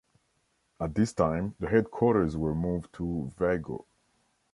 At this time, the headquarters were moved to Vigo.